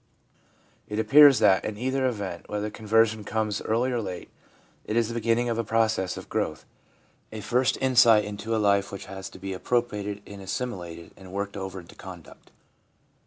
It appears that, in either event, whether conversion comes early or late, it is the beginning of a process of growth, a first insight into a life which has to be appropriated and assimilated and worked over into conduct.